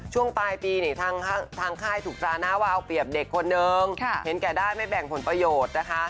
ช่วงปลายปีนี่ทางค่ายถูกตราหน้าว่าเอาเปรียบเด็กคนนึงเห็นแก่ได้ไม่แบ่งผลประโยชน์นะคะ